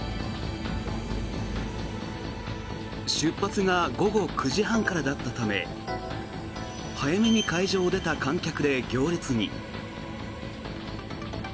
出発が午後９時半からだったため早めに会場を出た観客で行列に。